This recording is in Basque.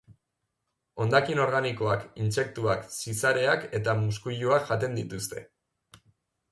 Hondakin organikoak, intsektuak, zizareak eta muskuiluak jaten dituzte.